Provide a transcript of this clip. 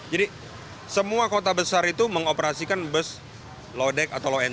jadi semua kota besar itu mengoperasikan bus low deck atau low end